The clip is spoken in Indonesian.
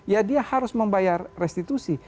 ya dia harus membayar restitusi